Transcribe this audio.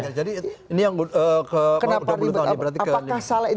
jadi ini yang ke dua puluh tahun ini berarti kan